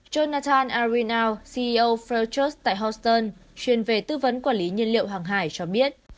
jonathan arrinal ceo fairtrade tại houston chuyên về tư vấn quản lý nhân liệu hàng hải cho biết